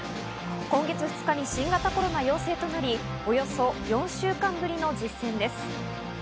今月２日に新型コロナ陽性となり、およそ４週間ぶりの実戦です。